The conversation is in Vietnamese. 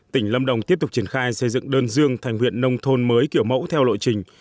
tỉnh lâm đồng tiếp tục triển khai xây dựng đơn dương thành huyện nông thôn mới kiểu mẫu theo lộ trình